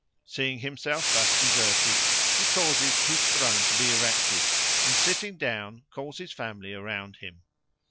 Seeing himself thus deserted, he causes his throne to be erected, and, sitting down, calls his family around him.